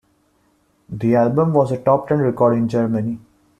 The album was a Top Ten record in Germany.